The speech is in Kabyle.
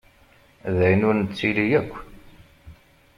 D ayen ur nettili yakk.